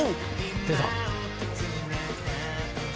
出た。